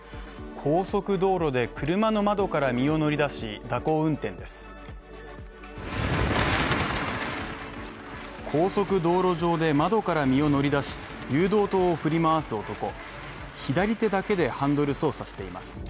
高速道路上で窓から身を乗り出し誘導灯を振り回す男左手だけでハンドル操作しています。